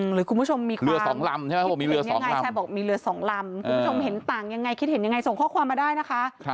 หรือคุณผู้ชมมีความคิดเห็นยังไงคุณผู้ชมเห็นต่างยังไงคิดเห็นยังไงส่งข้อความมาได้นะคะ